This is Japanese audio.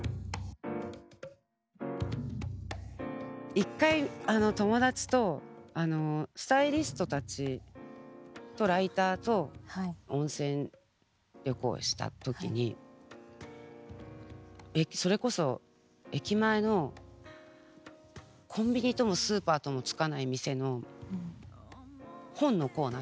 一回あの友達とスタイリストたちとライターと温泉旅行した時にそれこそ駅前のコンビニともスーパーともつかない店の本のコーナー